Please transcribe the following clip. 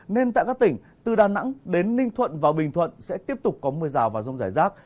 nên tại các tỉnh từ đà nẵng đến ninh thuận và bình thuận sẽ tiếp tục có mưa rào và rông rải rác